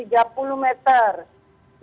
ini dari pasirian ke arah